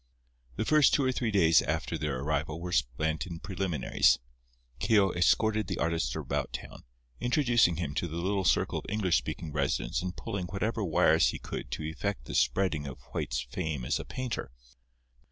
The first two or three days after their arrival were spent in preliminaries. Keogh escorted the artist about town, introducing him to the little circle of English speaking residents and pulling whatever wires he could to effect the spreading of White's fame as a painter.